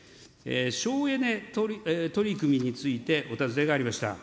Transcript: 省エネ取り組みについてお尋ねがありました。